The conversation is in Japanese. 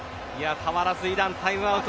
たまらずイランタイムアウト。